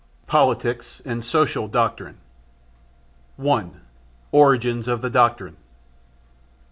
POLITICAL AND SOCIAL DOCTRINE 1. Origins of the Doctrine.